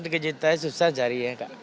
sekarang tiga juta susah carinya kak